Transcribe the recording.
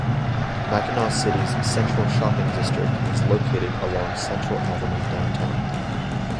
Mackinaw City's central shopping district is located along Central Avenue downtown.